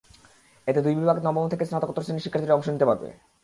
এতে দুই বিভাগে নবম থেকে স্নাতকোত্তর শ্রেণির শিক্ষার্থীরা অংশ নিতে পারবে।